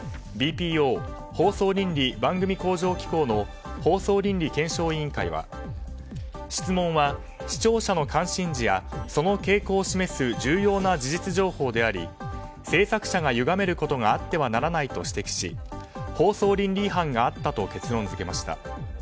ＢＰＯ・放送倫理・番組向上機構の放送倫理検証委員会は質問は、視聴者の関心事やその傾向を示す重要な事実情報であり制作者がゆがめることはあってはならないと指摘し放送倫理違反があったと結論付けました。